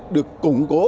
được cung cố